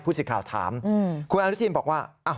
สิทธิ์ข่าวถามคุณอนุทินบอกว่า